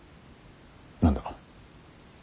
何だ。